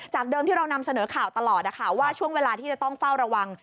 เดิมที่เรานำเสนอข่าวตลอดนะคะว่าช่วงเวลาที่จะต้องเฝ้าระวัง